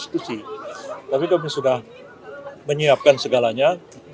tapi kami sudah menyiapkan segalanya